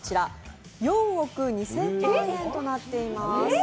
４億２０００万円となっています。